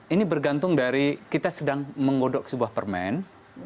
ini bergantung dari kita sedang menggodok sebuah permen